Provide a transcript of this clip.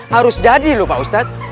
harus jadi lho pak ustadz